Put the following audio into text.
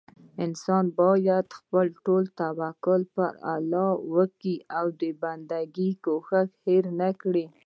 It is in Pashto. انسان بايد خپل ټول توکل پر الله وکي او بندګي کوښښ هير نه کړي